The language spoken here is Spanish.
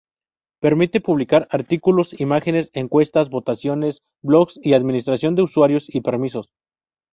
Permite publicar artículos, imágenes, encuestas, votaciones, blogs y administración de usuarios y permisos.